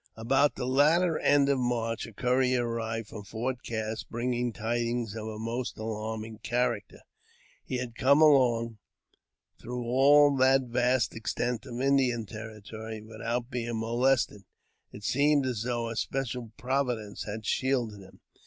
About the latter end of March a courier arrived from Fort Cass, bringing tidings of a most alarming character. He had come alone through all that vast extent of Indian territory without being molested. It seemed as though a special provi :lence had shielded him.